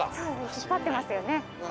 引っ張ってますよね。